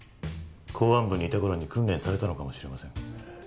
公安部にいた頃に訓練されたのかもしれません。